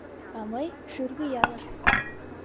А мый — Шӱргыялыш.